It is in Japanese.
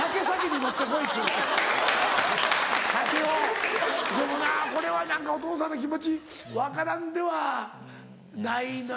でもなこれはお父さんの気持ち分からんではないのよな。